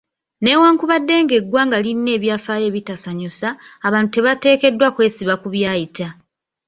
Newankubadde nga eggwanga lirina ebyafaayo ebitasanyusa, abantu tebateekeddwa kwesiba ku byayita.